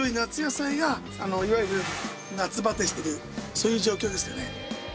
そういう状況ですかね。